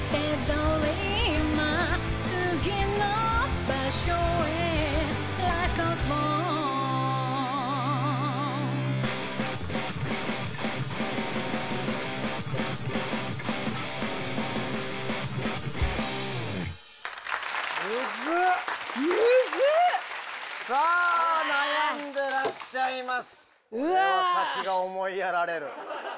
これは先が思いやられる。